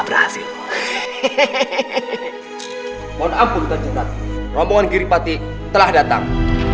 rombongan giripati telah datang